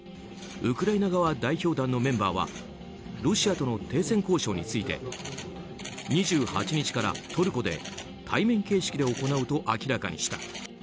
ウクライナ側代表団のメンバーはロシアとの停戦交渉について２８日からトルコで対面形式で行うと明らかにした。